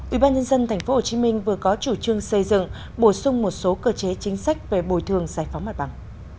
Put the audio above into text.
ubnd tp hcm vừa có chủ trương xây dựng bổ sung một số cơ chế chính sách về bồi thường giải phóng mặt bằng